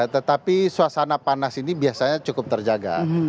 tetapi suasana panas ini biasanya cukup terjaga